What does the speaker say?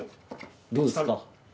どうですか？